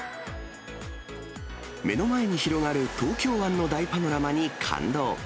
目の前に広がる東京湾の大パノラマに感動。